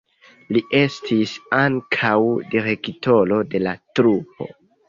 Li estis ankaŭ direktoro de la trupo.